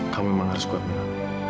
kamu emang harus kuat mila